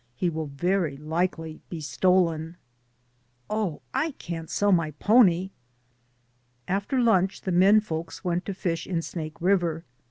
He will very likely be stolen." "Oh, I can't sell my pony." After lunch the men folks went to fish in Snake River.